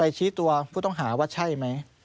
ชี้ตัวผู้ต้องหาว่าใช่ไหม